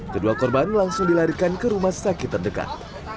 kedua korban langsung dilarikan ke rumah sakit terdekat